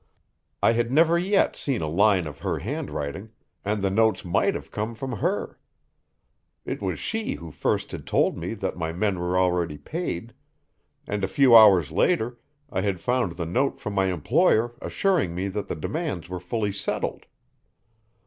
I had never yet seen a line of her handwriting, and the notes might have come from her. It was she who first had told me that my men were already paid, and a few hours later I had found the note from my employer assuring me that the demands were fully settled.